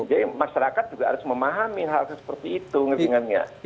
jadi masyarakat juga harus memahami hal seperti itu ngerti nggak